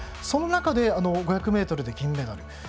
その中で、５００ｍで銀メダル。